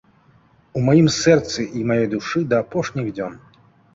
У маім сэрцы й маёй душы да апошніх дзён.